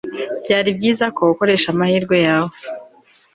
byari byiza ko ukoresha neza amahirwe yawe